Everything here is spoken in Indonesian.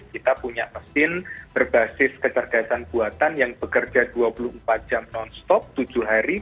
kita punya mesin berbasis kecerdasan buatan yang bekerja dua puluh empat jam non stop tujuh hari